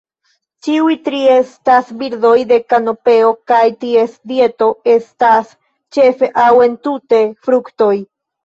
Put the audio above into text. Ĉiuj tri estas birdoj de kanopeo, kaj ties dieto estas ĉefe aŭ entute fruktoj.